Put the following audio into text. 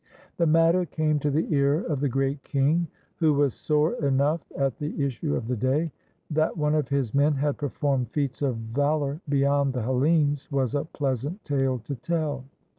The matter came to the ear of the Great King, who was sore enough at the issue of the day. That one of his men had performed feats of valor beyond the Hellenes was a pleasant tale to tell.